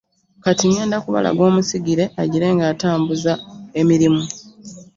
Kati ŋŋenda kubalaga omusigire agire ng'atambuza emirimu.